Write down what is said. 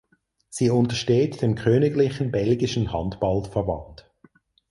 Sie untersteht dem königlichen belgischen Handballverband.